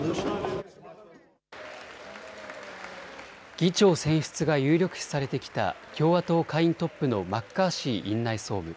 議長選出が有力視されてきた共和党下院トップのマッカーシー院内総務。